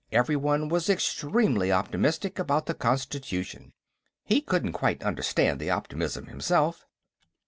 Everybody was extremely optimistic about the constitution. He couldn't quite understand the optimism, himself.